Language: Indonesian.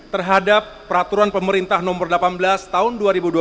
terhadap peraturan pemerintah nomor delapan belas tahun dua ribu dua puluh